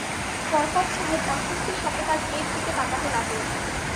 বরকত সাহেব অস্বস্তির সঙ্গে তাঁর মেয়ের দিকে তাকাতে লাগলেন।